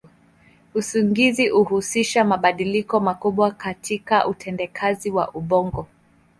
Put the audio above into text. Usingizi huhusisha mabadiliko makubwa katika utendakazi wa ubongo.